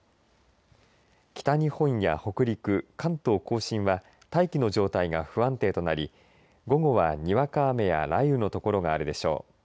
北日本や北陸関東甲信は大気の状態が不安定となり午後はにわか雨や雷雨の所があるでしょう。